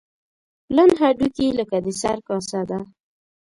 پلن هډوکي لکه د سر کاسه ده.